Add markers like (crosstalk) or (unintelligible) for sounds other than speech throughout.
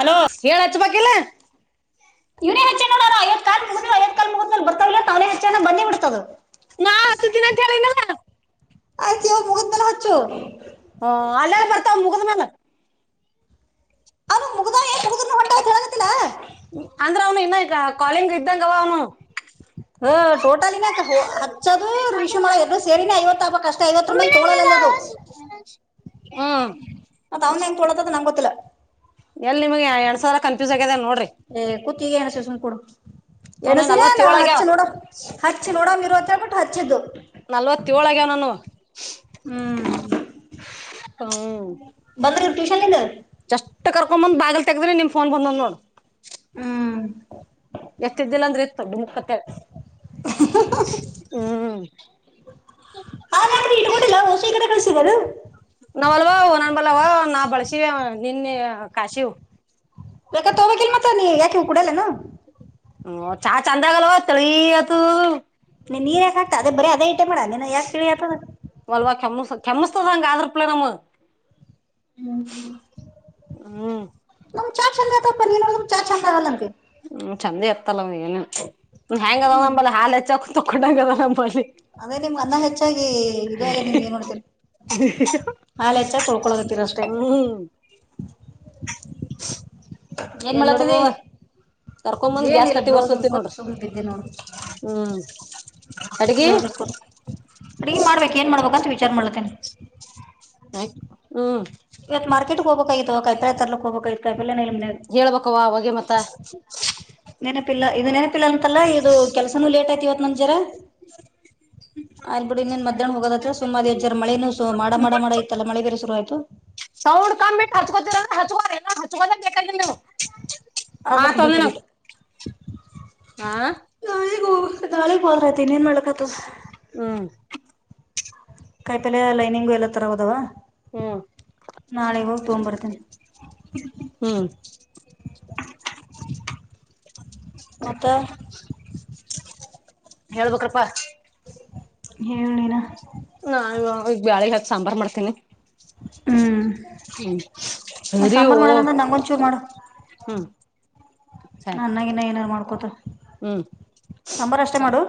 Hello ಹೇಳ ಹಚ್ಚ ಬಾಕಲ್ಲ ಇವನೇ ಹೆಚ್ಚ ಕಲ್ ಮು ಕಲ್ ಮುಗ ಬರ್ತಿಲ್ಲ ತೇ ಹೆಚ್ಚ ಬನ್ನಿ ಬಿಡ್ತದೆ ನಾ (unintelligible) ನಂತಲ ನ ಆಯ್ತು ಇವಾಗ ಮುಗಿದ್ಮೇಲೆ ಹಚ್ಚು ಹ ಅಲ್ಲ ಬತ ಮುಗದ ಮಲ್ಲ ಅವನು ಮುಗ್ದ ಏ ಮುಗಿದ್ರು ಹೊಂಟ ಅಂತ ಹೇಳಕತ್ತಿಲ್ಲ ಅಂದ್ರ ಅವ್ನು ಇನ್ನ ಕಾಲಿಂಗ್ ಇದ್ದಂಗವಾ ಅವನು ಹ ಟೋಟಲಿನ ಹಚ್ಚೋದು ರಿಶು ಮಾಡೋರು ಸೇರಿನ ಐವತ್ತು ಹಕ್ ಅಷ್ಟ ಐವತ್ತು ಮೇಲೆ ತೋಳೋಲ್ಲ ದು (unintelligible) ಹಾ ಮ ಅವಂದ ಹೆಂಗ್ ತೊೋಳದ ನಂಗಗೆ ಗೊತ್ತಿಲ್ಲ ಎಲ್ಲಿಮ ಎಡ್ ಸಾವರ ಕನ್ಫ್ಯೂ ಆಗಿದೆ ನೋಡಿ ಏ ಕೂುತ್ತಿಗೆ ಏನಸು ಸುಮಕುಡು ಅವನು ಎಡಸಿನೇ ನ ನಲ್ವತ್ತೇಳ್ ಆಗ್ಯಾವ ಹಚ್ಚಿ ನೋಡ ಹಚ್ಚಿ ನೋಡಮ ಇರುವತ್ತ ಹೇಳ್ಬಿಟ್ಟು ಹಚ್ಚಿದ್ದು ನಲ್ವತ್ತ ಏಳಗ್ಯಾವನಾನ ಹ್ಮ್ ಹ್ಮ ಬಂದ್ರಿ ಟ್ಯೂಷನ್ಲಿಂದ ಚ ಕರ್ಕೊಂಡ್ ಬಂದ ಬಾಗಿಲ್ ತಗದ್ರೆ ನಿಮ್ಫೋನ್ ಬಂದ್ ನೋಡ್ ಹ್ಮ್ ಎಷ್ಟಿದ್ದಿಲ್ಲ ಅಂದ್ರೆ ಇತ್ತು ದೊಡ್ಡ ಮುಕ್ಕತ್ತ ಹ್ಮ್ ಹಾಗಾದ್ರೆ ಇಟ್ಕೊಂಡಿಲ್ಲ ಹೊಸ ಈ ಕಡೆ ಕಳಿಸಿದ ಅದು ನ ಬಲವಾ ನ ಬಲವಾ ನಾ ಬಳ ಶಿವ ನಿನ್ನೆ ಕಾಶಿವ್ ಬೇಕ ತ ಹ್ಬೇಕಕಲ್ ಮಾತ್ರ ನೀ ಯಾಕವ ಕೂಡಲ್ಲನು ಹ್ಮ ಚಾ ಚಾಂದಾಗಲ್ಲ ಹೊ ತ ಈತು ನೀನ್ ನೀ ಯಾಕೆ ಆಗ್ತಾ ಅದೇರೀ ಅದ ಐಟ್ ಮಾಡಣ ಯಾಕ ಕೆಮ್ಮಿಸತದಂಗ ಅದ್ರ ಪಿಲೆ ನಮ್ಮ ಹ್ಮ್ ಹ್ಮ್ ನಮ ಚಾ ಚಂದ ಆತ ಪ ನಮ್ ಚಾ ಚಂದ ಆಗಲ್ಲಂತೆ ಹ್ಮ್ ಚಂದೆ ಇತ್ತತಲ್ಲವ ಏನು ಹೆ್ಯಾಂಗ ಅದಾವ ನಂಬಿ ಹಾಲ್ ಹೆಚ್ಚಕ ತೊಕೊಂಡಂಗ ಅದ ನಂಬಳಿ ಅದೇ ನಿಮ್ ಅನ್ನ ಹೆಚ್ಚಾಗಿ ಇದಾಗೆ ನಿಮ್ಗೆ ಏನ್ ನೋಡ್ತರಿ ಹಾಲ ಹೆಚ್ಚ ತೊಳ್ಕೊಳೋಗತ್ತೀರ ಅಷ್ಟೇ ಹ್ಮ್ ಏನ್ ಮಾಡತದ ಕರ್ಕೊ ಬಂದ್ ಗ್ಯಾಸ್ ಕಟ್ಟಿ ಬರ್ಸತಿ ನೋಡ್ರಿ ಬಿದ್ದೆ ಹ್ಮ್ ಅಡ್ಗಿ ಬ್ಲೌಸರ್ ಕೊೂ ಅಡ ಮಾಡ್ಬೇಕ ಏನ್ ಮಾಡ್ಬೇಕಂತ ವಿಚಾರ ಮಾಡ್ತೇನೆ ಆ ಹ್ಮ್ ಮಾರ್ಕೆಟ್ ಹೋಗಬೇಕಾಗಿಐತ್ತು ಕೈಪರೆ ತಲಕ್ ಹೋಗಬೇಕ ಹೇಳ್ಬೇಕವಾ ಅವಗೆ ಮತ್ತ ನೆನಪಿಲ್ಲ ಇದು ನೆನಪಿಲ್ಲಾ ಅಂತಲ್ಲ ಇದು ಕೆಲ್ಸನೂ ಲೇಟ್ ಯತಿವತ್ ನಮ್ ಜರ ಆಯ್ಬ ಬಿಡಿ ಇನ್ ಮಧ್ಯಾಹ್ ಹೋದ ಹತ್ರ ಸುಮಾು ಹೆಜ್ಾರ ಮಳೇನು ಮಾಡ ಇಐಲ್ಲ ಮಳ ಬೇ ಶುರು್ತು ಸೌಂಡ್ ಕಮ್ಮಿಟ್ಟು ಹಚ್ಕೊತೀರ್ರ ಹಚ್ಕೋ್ರ ಏ ಹಚ್ಕೋದ ಬೇಕ್ರಿ ನೀವು ಅದಕ್ಕೆ ಬಿಟ್ಟು ಬಿಟ್ಟು ಆಾ ನಾಳೆಗ್ ಹೋದ್ರ ಐತಿ ಇನ್ ಏನ್ ಮಾಡ್ಕತ್ ಹ್ಮ್ ಕಾಯಿತಲೆ ಲೈನಿಂಗು ಎಲ್ಲ ತರ ಹದವ ಹ್ಮ್ ನಾಳೆಗ ಹೋಗ್ ತಗ್ ಬರ್ತೇನಿ ಹ್ಮ್ ಮತ್ತೆ ಹೇಳ್ಬೇಕ್ರಪ್ಪಾ ಹೇಳಣನಾ ಸಾಂಬಾರು ಮಾಡ್ತೀನಿ ಹ್ಮ್ ಹ್ಮ್ ಸರಿಯೋ ಸಮರ್ ಮಾಡದಂದ್ರ ನಂಗಂಚೂರ್ ಮಾಡ ಹ್ಮ್ ಸರಿ ನನ್ನಾಗಿನ ಏನಾರ್ ಮಾಡ್ಕೊ ಹ್ಮ್ ಸಾಂಬಾರು ಅಷ್ಟೇ ಮಾಡು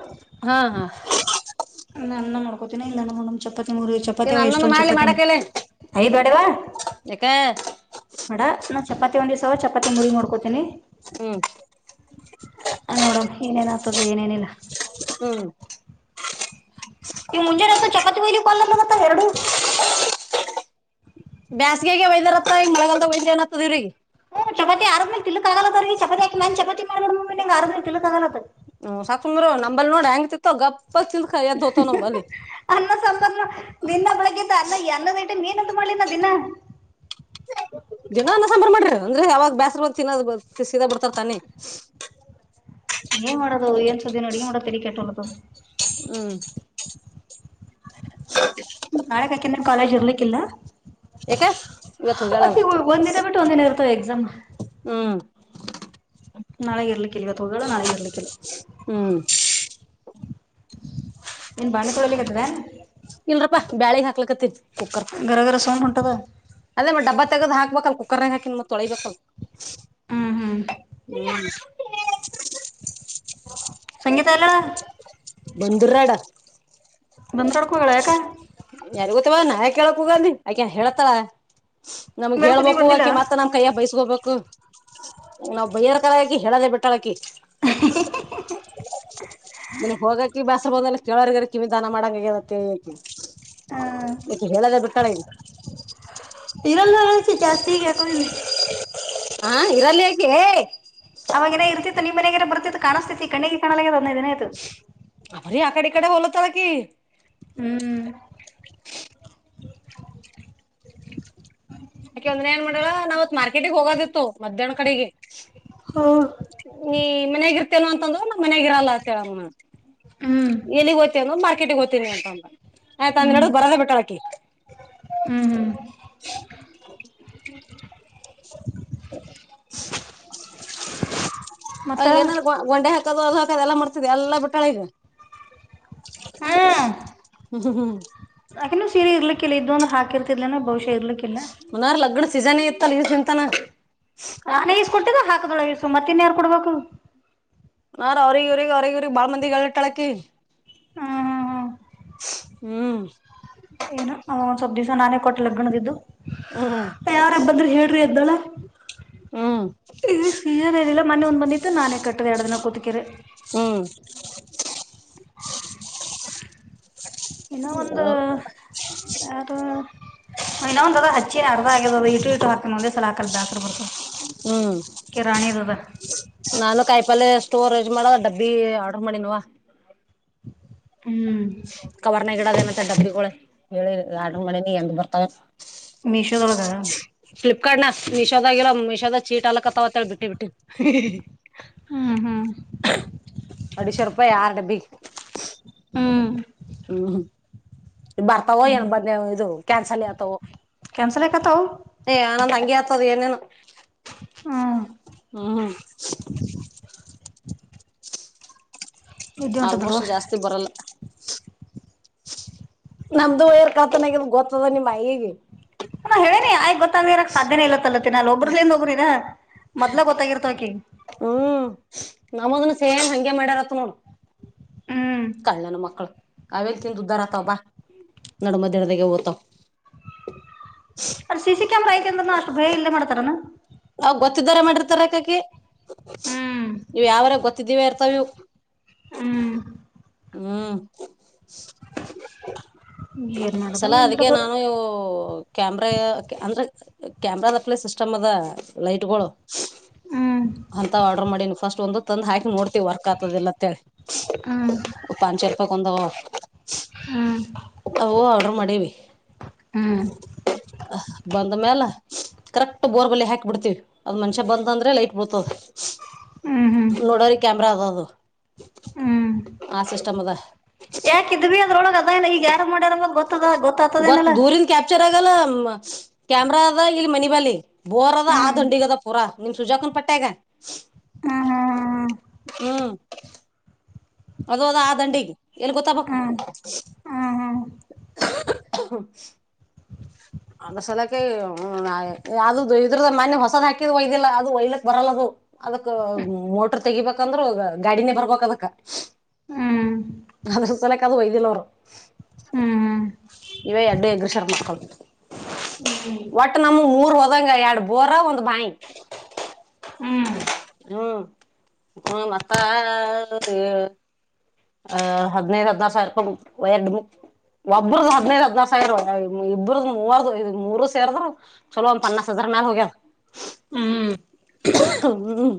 ಹಾ ಹಾ ನ ಮಾಡ ಕೋತಿನ ಇಲ್ಲ ನ ನಮ್ ಚಪಾತಿ ಮೂರ್ ಚಪಾತಿ ಏನ್ ಅವ ಅನ್ನನ ಎಷ್ಟೊಂದ್ ಮಾಡ್ಲಿ ಚಪಾತಿ ಮೂ ಮಾಡಕಲೆ ಅಯ ಬ್ಯಾಡವಾ ಯಾಕ ಬಡ ನಾನ್ ಚಪಾತಿ ಒಂದ ದಿವ್ಸಾವ ಚಪಾತಿ ಮುರಿ ಮಾಡೋ್ಕೋತೀನಿ ಹ್ಮ್ ನೋಡಂ ಏನೇನ್ ಆತದ ಏನೇನಿಲ್ಲ ಹ್ಮ ಈವ ಮುಂಜಾನೆಂತ ಚಪಾತಿ ಬಲಿ ಕಲ್ಲ ಮಗತ್ತ ಎರಡು ಬೇಸ್ಗೆಗೆ ವೈದ್ಯನ್ತ್ತ ಹಿಂಗ ಮಳಗಾಲದಾಗ ವೈ್ಯನ್ತ್ತದ ಇವ್ರಿಗೆ ಹ್ಮ್ ಚಪಾತಿ ಆರೇಲೆ ತಿಲುಕ್ ಆಗಲ್ಲದ ರೀ ಚಪಾತಿಾಕ ನ ಚಪಾ ಮಾಡ ಆರೇಲೆ ತಿಲಕ್ ಆಗಲ ಹ್ಮ್ ಸಾಕುಂದ್ರರು ನಂಬಲ್ಲಿ ನೋಡ್ ಹೆಂಗ್ತಿತ್ತು ಗಪ್ (unintelligible) ದೋತೋ ನಂಬರ್ಲಿ ಅನ್ನ ಸಾಂಬಾರ್ ದಿನ ಬೆಳಗೆದ್ದು ಅನ್ನಯ ಅನ್ನದಟ್ಟು ಹೇನಂತ ಮಾಡಿನ ದಿನ ಜನನ್ನ ಸಂಂಬಾರ ಮಾಡ್ರಿ ಅಂದ್ರೆ ಯಾವಾಗ ಬ್ಯಸ್ರ ಬಾಗ ತಿನ್ನ ಸದ ಬಿಡ್ತಾರ್ ತಾನೆ ಏನ್ ಮಾಡೋದು ಏನ್ ಸುದ್ದಿನ ನೋಡ್ಗೂಡ ತೆರಿ ಕೆಟ್ಟಳ್ಳದದು ಹ್ಮ್ ನಾಳೆಗಾಕಂದನ್ ಕಾಲೇಜ್ ಇರ್ಲಿಕ್ಕಿಲ್ಲ ಯಾಕ ಇವತ್ ಅ ಹೋಗ್ಯಾಳಲ್ಲ ಒಂದ ದಿನ ಬಿಟ್ಟು ಒಂದ ದಿನ ಇರ್ತ ಎಕ್ಸಾಮ್ ಹ್ಮ್ ನಾಳಗೆ ಇರ್ಲಿಕ್ಕಲ್ವ ತಗ ನಳಗೆ ಇರ್ಲಿಕ್ಕಿಲ್ಲ ಹ್ಮ್ ಏನ್ ಬಾಣಕಳಲಿಕ್ಕೆತದ ಬ್ಯಾಳಗ್ ಹಕ್ಕ್ಕಕತ್ತರಿ ಗರಘರ ಸೌಂಡ್ ಬರ್ತಿದ ಅದೇ ಮತ್ತ ಡಬ್ಬ ತಗದ ಹಾಕ್ಬೇಕ ಅ ಕುಕ್ಕರ್ನ ಹಾಕ ಮತ್ತ ತೊಳಬೇಕಕ್ ಹ್ಮ್ ಹ್ಮ್ ಹ್ಮ್ ಸಂಗೀತ ಆಲ್ಲ ಬಂದರಾಡ ನಂದರಡ್ಕೋಗಳಕ ಯಾರಿಗೊತ್ತವಾ ನಾನೆ ಕೇಳಕ್ ಹೂಗಿ ಆಕ ಹೇಳತಾರ ನಮ್ಗ್ ಬೆಳಕು ನೀ ಹೇಳ್ಬೇಕು ಬಂದಿಲ್ಲ ಆಕೆ ಮತ್ತ ನಮ್ ಕೈಯ್ಯ ಬೈಸ್ಕೋಬೇಕು ನಾವವು ಬೈಯರ್ ಕಾಲ ಆಕಿ ಹೇಳದೆ ಬಿಟ್ಟಳಕಿ (inaudible) ನನ್ಗ್ ಹೋಗಕಿ ಬ್ಯಾಸ ಬಂದ ಕೆೇಳವರಿಗ ಕಿವ ವಿಧಾನ ಮಾಡಂಗಗದ ಕಕಿ ಮ ಹೇಳದ ಬಿಟ್ಟಣ ಇರೋಲ್ ಚಾಸ್ತಿಗ ಏಕೋ ನೀನು ಹಾ ಹಿರಲ್ ಹೇ ಅವಾಗಏನ ಇರ್ತಿತ್ತು ನಿಮ ಮನೆಯಾಗನ ಬರ್ತಿತ್ತು ಕಾಣಿಸತತಿ ಕಣ್ಣಿಗೆ ಕಾಣಲ್ಲಾಗದ ಹಂದದೈ ದಿನ ಆಯ್ತು ಭಾರಿ ಆಕಡೆ ಕಡೆ ಬಲತ ಅಲ್ಲ ಕಿ ಹ್ಮ್ ಯಕೆ ಒಂದೆ ಏನ್ ಮಾಡಾ ನಾವ್ತ್ ಮಾರ್ಕೆಟಗ್ ಹೋಗೋಿತ್ತು ಮಧ್ಯಾಹ್ನ ಕಡೆಗೆ ಹೋ ನೀ ಮನಗರ್ತೇನ ಅಂತಂದ್ರರು ನಮ್ಮ್ ಮನ್ಯಾಗ ಇರಲ್ಲಂತೇಳಮ್ಮ ಹ್ಮ್ ಎಲ್ಲಿಗ್ ಓದತೀ ಅಂದ ಮಾರ್ಕೆಟ ಒಯ್ತೀನಿ ಅಂತ ಅ ಆಯ್ತಂದ ಹ್ಮ್ ನಡಗ್ ಬರದ ಬಿಟ್ಟಕಿ ಹ್ಮ್ ಹ್ಮ್ (inaudible) ಅ ಮತ್ತ ಏನ ಗೊಂಡೆ ಹಾಕದು ಹಾಕದ ಎಲ್ಲ ಮಾಡ್ತ್ ಎಲ್ಲಾ ಬಿಟ್ಟಾಳಿದ ಹ್ಮ್ ಹ್ಮ್ ಯಾಕೆ ಸೀರೆ ಇರ್ಲಿಕ್ಕಿಲ್ಲ ಇ ಇದದು ಅಂದ್ರೆ ಹಾಕಿರ್ತಿದರ್ಲೇನ ಬಹುಶ ಇಲಿಲಕ್ಕಿಲ್ಲ ಸೀಸನೆೇ ಇತ್ತಲ್ಲ ಇ ಚಿಮಂತಾನ ನಾನೇ ಈಸ್ ಕೊಟ್ಟಿದ್ದ ಹಾಕದೊಳ ಈಸು ಮತ್ತ ಇನ್ಯಾರಾರ್ ಕೊಡ್ಬೇಕು ನ ಅವ್ರರಿಗೆ ಇ್ರ ಅವ್ರರಿಗೆ ಇವ್ರಗ್ ಬಾಳ ಮಂದಿಟಳಕಿ ಹ್ಮ ಹಾ ಹಾ ಹ್ಮ್ ಏನ ಅವ ಒಂದ ಸ್ವಲ್ ದಿವ್ಸ ನಾನೇ ಕೊಟ್ಟ ಲಗ್ಣದಿದ್ದು ಹ್ಮ್ ಯಾರಬ್ ಬಂದ್ರಿ ಹೇಳ್ರಿ ಎದ್ದಳ ಹ್ಮ್ ಈ ಸಿಹದನಿಲ್ಲ ಮೊನ್ನೆ ಒಂದ್ ಬಂದಿತ್ತು ನಾನ ಕೆಟ್ಟದ ಇಡದನ ಕುತಿಕರು ಹ್ಮ್ ಇನ್ನ ಒಂದು ಯ ಇನ್ನೊಂದ್ ಅದ ಹಚ್ಚಿನ ಅರ್ಧ ಆಗ್ಯದ ಅದ ಇಟ್ಟು ಇಟ್ಟು ಹಾಕ ಒಂದೆ ಸಲ ಹಾಕಲ್ ಬಸ್ರ ಬಿಡ್ತದೆ ಕೆರಾಣದದ ನಾನು ಕಾಯಿಪಲ್ ಸ್ಟೋರ್ ಏಜ್ ಮಾಡ ಡಬ್ಬಿ ಆರ್ಡ್ರ ಮಾಡಿನ್ವ ಹ್ಮ್ ಕವರ್ನಾಗ ಇಡದೇನಂತ ಡಬ್ಬಿಗಳ ಆರ್ಡರ್ ಮಾಡಿದೀನಿ ಹೆಂಗ ಬತ್ತವ ಏನೋ ಮೀಶೋ ಒಳಗ (unintelligible) ಹ್ಮ್ ಹ್ಮ್ (unintelligible) ಎರಡು ಡಬ್ಬಿ ಹ್ಮ್ ಹ್ಮ್ ಬರ್ತಾವೋ ಹ್ಮ್ ಏನ್ ಇದು ಕ್ಯಾನ್ಸಲ್ ಆತಾವೋ ಕ್ಯಾನ್ಸಲ್ ಆಕತಾವು ನಂದು ಹಂಗೆ ಆಯ್ತು (unintelligible) ಹ್ಮ್ ಹ್ಮ್ (unintelligible) ನಿದ್ದೆ ಹೊಂಟದ ನೋಡುವ ಆಲ್ಮೋಸ್ಟ್ ಜಾಸ್ತಿ ಬರಲ್ಲ ನಮ್ದು (unintelligible) ಗೊತ್ತದ ನಿಮ್ಮ್ ಅ ಯಿಗೆ ನಾ ಹೇಳಿನಿ (unintelligible) ಗೊತ್ತಾಗದೆ ಇರಕ್ಕೆ ಸಾಧ್ಯನ ಇಲತ್ತಲ್ಲ (unintelligible) ಒಬ್ರಲಿಂದ ಒಬ್ಬರಿಗೆ ಮೊದ್ಲ ಗೊತ್ತಾಗಿರ್ತವಕಿಗೆ ಹ್ಮ್ ನಮ್ಮದನ್ನ ಸೇಮ್ ಹಗೆ ಮಾಡ್ಯಾರನತ್ ನೋಡು ಹ್ಮ್ ಕಳ್ಳನ ಮಕ್ಳು ಅವೆಲ್ ತಿಂದು ಉದ್ದಾರ ಆತಾವ ಬಾ ನಡ ಮದಡ್ದಾಗ ಓತಾವ ಅಲ್ಲಿ ಸಿ ಸಿ ಕ್ಯಾಮ್ರಾ ಐತೆ ಅಂದಾನ ಅಷ್ಟು ಭಯ ಇಲ್ಲೇ ಮಾಡ್ತಾರಾನ ಅವು ಗೊತ್ತಿದಾರ ಮಾಡಿರ್ತಾರೆ ಏಕಾಕಿ ಹ್ಮ್ ಇವು ಯಾವರ ಗೊತ್ತಿದ್ದೀವೆ ಇರ್ತಾವೆ ಇವು ಹ್ಮ್ ಹ್ಮ್ ಏನ್ ಮಾಡದ ಈಸಲ ಏನ್ ಅದಕ್ಕೆ ಬಿಡದ ನಾನು ಕ್ಯಾಮ್ರಾ ಅಂದ್ರೆ (unintelligible) ಸಿಸ್ಟಮ್ ಅದ ಲೈಟ್ಗಳು ಹ್ಮ್ ಅಂತವು ಆರ್ಡರ್ ಮಾಡಿನಿ ಫಸ್ಟ್ ಒಂದ ತಂದ್ ಹಾಕಿ ನೋಡ್ತಿವಿ ವರ್ಕ್ ಆಗ್ತದ ಇಲ್ಲ ಅಂತೇಳಿ ಹ್ಮ ಒಂದು ಆರ್ಡರ್ ಮಾಡವಿ ಹ್ಮ್ ಬಂದ್ ಮೇಲೆ ಕರೆಕ್ಟ್ ಬೋರ್ವೆಲ್ಗ್ ಹಾಕ್ಬಿಡ್ತೀವಿ ಅದು ಮನುಷ್ಯ ಬಂದ ಅಂದ್ರೆ ಲೈಟ್ ಬೀಳ್ತದೆ ಹ್ಮ್ ಹ್ಮ್ (unintelligible) ಕ್ಯಾಮ್ರಾ ಅದದು ಹ್ಮ್ ಆ ಸಿಸ್ಟಮ್ ಅದ ಯಾಕಿದ್ ಬಿ ಅದ್ರೊಳಗ ಈಗ ಯಾರು ಮಾಡ್ಯಾರ ಗೊತ್ತದ ಗೊತ್ತ ಗೊತ್ತಾತದೇನಲ್ಲ ದೂರಿಂದ (unintelligible) ಕ್ಯಾಮ್ರಾ ಅದ ಇಲ್ಲಿ ಮನಿ ಬಲಿ ಬೋರ್ ಅದ ಆ ಹ್ಮ್ ದಂಡಿಗ ಅದ ಪೂರಾ ನಿಮ್ ಸುಜಾಕ ಪಟ್ಟೆಗ ಹಾ ಹಾ ಹಾ ಹಾ ಹ್ಮ್ ಅದು ಅದ ಆ ದಂಡಿಗೆ ಎಲ್ಲಿ ಗೊತ್ತಬೇಕು ಹ್ಮ್ ಹ್ಮ್ ಹ್ಮ್ (inaudible) (inaudible) ಅದರ ಸಲುವಾಗಿ ಯಾವದೂ ಇದ್ರದ ಮನೆ ಹೊಸದ್ ಹಾಕಿದ್ ಒಯ್ದಿಲ್ಲ ಅದು ಒಯ್ಲಕ್ ಬರಲ್ಲದು ಅದಕ್ ಮೋಟರ್ ತೆಗಿಬೇಕಂದ್ರ ಗಾಡಿನೇ ಬರ್ಬಕ್ ಅದಕ್ಕ ಹ್ಮ್ ಆದ್ರೂ ಸಲಕ್ಕೆ ಅದು ಒಯ್ದಿಲ್ಲ ಅದು ಹ್ಮ್ ಹ್ಮ್ ಇವೆ (unintelligible) ಮಕ್ಕಳ ಹ್ಮ ಮೂರ್ ಹೋದಂಗ ಎರಡು ಬೋರ ಒಂದ ಬಾವಿ ಹ್ಮ್ ಹ್ಮ್ ಹ್ಮ ಮತ್ತಾ ಆ ಹದಿನೈದು ಹದಿನಾರು ಸಾವಿರುಪಾಯಿ (unintelligible) ಒಬ್ಬ್ರದು ಹದಿನೈದು ಹದಿನಾರು ಸಾವಿರ ಇಬ್ಬ್ರದ ಮೂವರ್ ಮೂರು ಸೇರ್ರು ಚಲೋ ಒಂದ್ ಪನ್ನ (unintelligible) ಹ್ಮ್ ಹ್ಮ್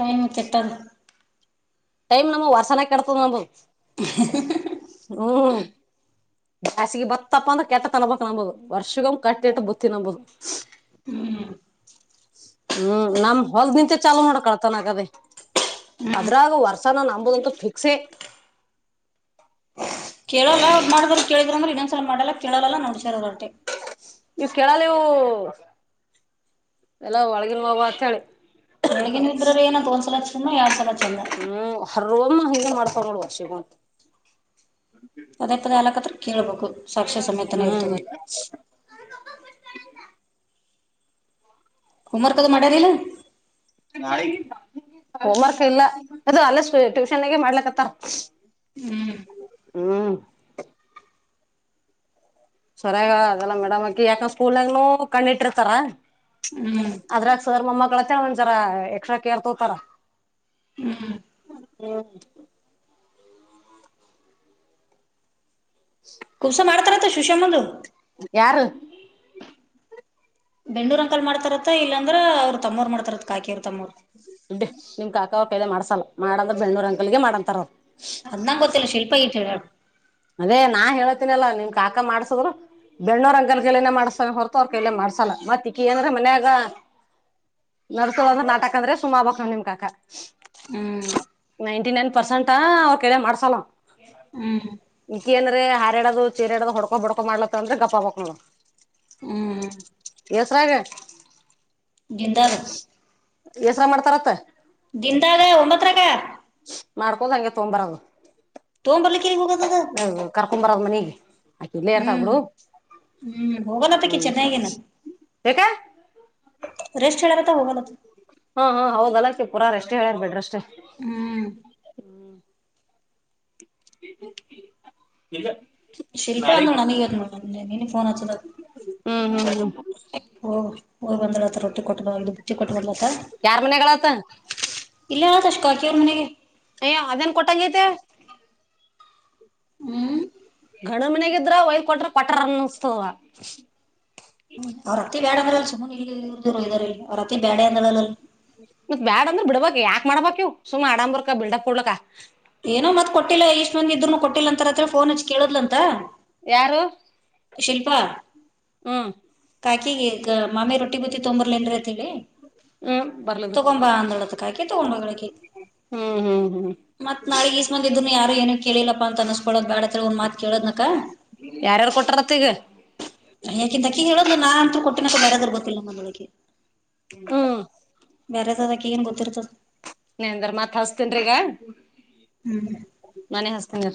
ಟೈಮ್ ಕೆಟ್ಟದ ಟೈಮ್ ನಮ್ ಹೊರ್ಸನ ಕೆಡತದ ನಮ್ದು (unintelligible) ಹ್ಮ ಬ್ಯಾಸಿಗೆ ಬತ್ತಪ್ಪ ಅಂದ್ರ ಕೆಟ್ಟ ತನ್ಬಕ್ ನಂಬದು ವರ್ಷಗ ಕಟ್ಟ ಇಟ್ಟ ಬುತ್ತಿ ನಂಬದು ಹ್ಮ್ ಹ್ಮ್ ನಮ್ (unintelligible) ಕಳ್ತನ ಆಗಬೇಕು ಅದ್ರಾಗ ವರ್ಷ ನ ನಂಬೋದಂತೂ ಫಿಕ್ಸೇ ಕೇಳಲ್ಲ ಮಾಡಿದ್ರರು ಕೇಳಿದ್ರ ಅಂದ್ರೆ ಇನ್ನೊಂದ್ಸಲ ಮಾಡಲ್ಲ ಕೇಳೋಲ್ಲ ನೋಡ್ಸರದ ಹೊಟೆ ನೀವ್ ಕೇಳಲಿವು ಎಲ್ಲ ಒಳಗಿನ ಮಗುವ ಅತ್ ಹೇಳಿ ಒಳಗಿನ ಇದ್ರರು ಏನಂದ ಒಂದ್ಲಕ್ಷ ಎರಡ್ ಸಲಕ್ಷ (unintelligible) ಹ್ಮ್ ಹರ್ವಮ್ಮ ಹಿಂಗಗೆನ್ ಮಾಡ್ಕೊಂಡ ನೋಡುವ ಶಿಮಂತ (unintelligible) ಪದೇ ಪದೇ ಆಲಕ್ತ್ರ ಕೇಳ್ಬೇಕು ಸಾಕ್ಷ್ಯ ಸಮೇತನ ಇರ್ತದೆಲ್ಲಿ ಹ್ಮ್ (unintelligible) (inaudible) ಹೋಮ್ವರ್ಕ್ ಅದು ಮಾಡ್ಯದಿಲ್ಲ (unintelligible) ಹ ಳ (inaudible) ಹೋಮ್ ವರ್ಕ್ ಇಲ್ಲ ಅದು ಅಲ್ಲ ಟ್ಯೂಷನ್ಗ ಮಾಡ್ಲಕ್ಕತ್ತರ (unintelligible) ಹ್ಮ್ (unintelligible) ಸೊರಾಗ ಆಗಲ್ಲ ಮೇಡಮ್ ಅಕಿ ಯಾಕ ಸ್ಕೂಲ್ ನಾಗೂ ಕಣ್ಣಿಟ್ಟಿರ್ತಾರ ಹ್ಮ್ (unintelligible) ಅದ್ರಾಗ ಸರ್ ಮೊಮ್ಮಕ್ಕಳತ್ತ ಒಂದ್ಸರ ಎಕ್ಸ್ಟ್ರಾ ಕೇರ್ ತೋತಾರ (unintelligible) ಹ್ಮ್ (unintelligible) ಕುುಸ ಮಾರತಾರತ ಸುಷಾಮಂದುು ಯಾರು ಬೆಂಡೂರ್ ಅಂಕಲ್ ಮಾಡ್ತಾರತ್ತ ಇಲ್ಲಾಂದ್ರ ಅವ್ರ ತಮ್ಮವರ್ ಮಾಡ್ತಾರತ್ ಆಕಿಯ ಅವ್ರ ತಮ್ಮೋರು (unintelligible) ದುಡ್ಡಿ ನಿಮ್ ಕಾಕಾ ಅವ ಕದ ಮಾಡ್ಸಲ್ಲಾ ಮಾಡ ಅಂದ್ರೆ ಬೆಳ್ನೂರು ಅಂಕಲ್ಗೆ ಮಾಡಂತಾರ ಅವ ಅದ್ ನಂಗ್ ಗೊತ್ತಿಲ್ಲ ಶಿಲ್ಪಾ ಇಟ್ ಹೇಳ (unintelligible) ಅದೇ ನಾ ಹೇಳತನಲ್ಲಾ ನಿಮ್ ಕಾಕಾ ಮಾಡ್ಸಿದ್ರು (unintelligible) ಬೆಣ್ಣೂರ್ ಅಂಗಲ್ ಎಲ್ಲನ ಮಾಡಸ ಹೊರ್ತ ಅವ್ರ ಎಲ್ಲ ಮಾಡಸಲ್ಲ ಮ ತಿಕ್ಕಿ ಏನ್ರ ಮನ್ಯಾಗ ನಡ್ಸೋಳೋಂತ ನಾಟಕ ಅಂದ್ರೆ ಸುಮ ಬಕ್ ನಾವ ನಿಮ್ ಕಾಕ ಹ್ಮ್ ನೈಂಟಿ ನೈನ್ ಪರ್ಸೆಂಟಾ ಅವರಾ ಕೈಲೆ ಮಾಡ್ಸಲ (unintelligible) ಹ್ಮೀ (unintelligible) ಇಕಿ ಅಂದ್ರೆ ಹಾರ್ಯಾಡೋದು ಚೀರಿಾಡದು ಹೊಡ್ಕೋ ಬಿಡ್ಕೋ ಮಾಡ್ಲತ್ತ ಅಂದ್ರೆ ಗಪ್ಪಬಕ್ ನೋ ಹ್ಮ್ (unintelligible) ಎಸರಾಗ (unintelligible) ಗಿಂದರು (unintelligible) ಹೆಸರಾ ಮಾಡ್ತಾರತ್ತ (unintelligible) ದಿನದಗಾ ಒಂಬತ್ರರಕ ಮಾಡ್ಕೋದು ಹಂಗೆ ತೊಂಬರದು (unintelligible) ತೊ ಬಾರ್ಲಿ ಹ ಕರ್ಕೊಂಬರದ ಮನಗೆ ಅಕ ಹ್ಮ್ ಇಲ್ಲೇರ್ತಳು (unintelligible) ಹ್ಮ್ ಹೋಗಲತ್ತಕ್ಕೆಿ ಚೆನ್ನಗನು (unintelligible) ಯಾಕೆ - (unintelligible) ರೆಸ್ಟ್ ಹೇಳೇಳತ ಹೋಗ ನ ತು (unintelligible) ಹಾ ಹಾ ಹೋಗ್ ಅಲಕ್ಕೆ ಪುರಾರ ಎಷ್ಟೇ ಹೇಳ್ಯ್ ಬಿಡ್ರ ಅಷ್ಟೇ (unintelligible) ಹ್ಮ್ (unintelligible) ಹ್ಮ (inaudible) (inaudible) ಶಿಲ್ಪ ಅನ್ನೋಳ ನೀ ಅ ನೀನುಫೋನ್ (unintelligible) ಹ್ಮ್ ಹ್ಮ್ ಹ್ಮ್ ಓ ಹೋಗ ಬಂದ ರೊಟ್ಟಿ ಕೊಟ್ಟ ಬುಚ್ಚಿ ಕೊಟ್ಟ (unintelligible) ತ್ತ ಯಾರ್ ಮನ್ಯಾಗಳತ್ತ ಇಲ್ಲ ಹೇಳ ತಷ್ಟ ಕಾಕಿಯ ಅವ್ರ ಮನೆಗೆ ಅಯ್ಯ ಅದೇನ್ ಕೊಟ್ಟಂಗೈತೆ (unintelligible) ಹ್ಮ್ (unintelligible) ಗಣ ಮನೆಗಿದ್ರ ಒಯದ ಕೊಟ್ರ ಪಟರ ಅನ್ನಸ್ತವ ಹ್ಮ್ ಅವ್ರತ್ತಿ ಬೇಡ ಅಂದ್ರ ಅ ಸುಮನೆ ಇ ಇರ್ದರು ಇದ್ದಾರಲ್ಲಿ ಅವ್ರ ಅತ್ತಿ ಬೇಡ ಅಂದವಲ್ಲ ಅಲ್ಲಿ (unintelligible) ಮತ್ತತ್ ಬ್ಯಾಡ ಅಂದ್ರ ಬಿಡ್ಬಕ್ ಯಾಕ್ ಮಾಡಬಬೇಕಕ್ ಸುಮ್ ಆಡಂಬರ್ಕ ಬಿಲ್ಡಪ್ ಕೊಡ್ಲಕ (unintelligible) ಏನೋ ಮತ್ ಕೊಟ್ಟಿಲ್ಲ ಇಷ್ಟ ಮಂದ್ ಇದ್ನು ಕೊಟ್ಟಿಲ್ಲ ಅಂತಾರತ್ರ ಫೋನ್ ಹಚ್ಚಿ ಕೇಳಿದ್ಲ ಅಂತ (unintelligible) ಯಾರು (unintelligible) ಶಿಲ್ಪಾ (unintelligible) ಹ್ಮ (unintelligible) ಕಾಕಿ ಮಾಮಿ ರೊಟ್ಟಿ ಬತ್ತಿ ತೊಂಬರ್ಲೇನ್ರಿ ಅತ್ ಹೇಳಿ ಹ್ಮ್ (unintelligible) ಬರ್ಲದಕ್ ತುಗಂಬ ಆಂದೋಳದಕಾಕಿ ತುಗಂಬ ಕಕ್ಕೆ ಹ್ಮ್ ಹ್ಮ್ ಹ್ಮ್ (unintelligible) ಮ ನಾಗ್ ಈಸ್ ಮಂದ ಇದ್ನು ಯಾರು ಏನು ಕೇಳಿಲ್ಲಪ್ಪ ಅನ್ಸ್ಕೋ ಬೇ (unintelligible) ಹ ಒಂದು ಮಾತ ಕೇಳದು ನಕ ಯಾರ್ಯಾರ್ ಕೊಟ್ಟಾರತ್ ಈಗ ಯಾಕಂತಕ ಹೇಳದ್ಲು ನಾನ್ತ್ರು ಕೊಟ್ಟಿನಕ ಬೇರೆಾದ್ರೂ ಗೊತ್ತಿಲ್ಲ ಮಂದೊಳಗೆ ಹ್ಮ ಬೇರೆದ ಅದಕ ಏನ್ ಗೊತ್ತಿರ್ತದ ನಂದ್ರ ಮತ್ ಹಸ್ತನ್್ರಿಗ ಹ್ಮ್. ಮನೆ ಹಸ್ತನ್ಿ